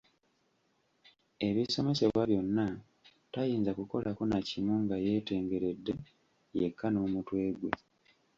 Ebisomesebwa byonna tayinza kukolako nakimu nga yeetengeredde yekka n'omutwe gwe.